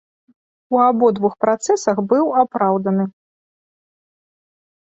У абодвух працэсах быў апраўданы.